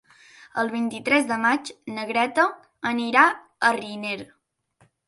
El vint-i-tres de maig na Greta anirà a Riner.